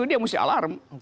jadi dia mesti alarm